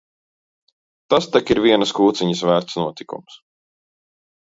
Tas tak ir vienas kūciņas vērts notikums!